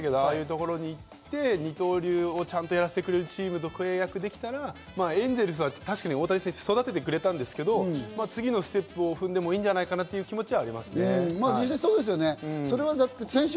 ５つくらい球団あがってましたけれどもああいう所に行って二刀流をやらせてくれるチームと契約できたら、エンゼルスは大谷選手を育ててくれたんですけど、次のステップを踏んでもいいんじゃないかなという気持ちはありますね。